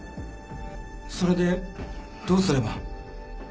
それでどうすれば。